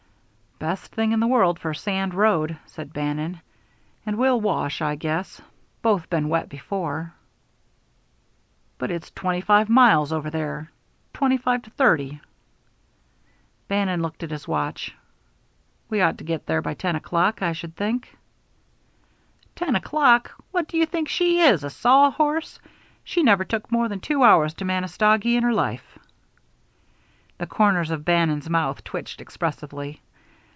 "Best thing in the world for a sand road," said Bannon. "And we'll wash, I guess. Both been wet before." "But it's twenty five miles over there twenty five to thirty." Bannon looked at his watch. "We ought to get there by ten o'clock, I should think." "Ten o'clock! What do you think she is a sawhorse! She never took more than two hours to Manistogee in her life." The corners of Bannon's mouth twitched expressively.